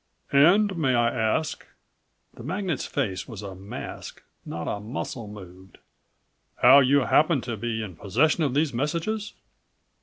"And may I ask," the magnate's face was a mask, not a muscle moved, "how you happened to be in possession of these messages?"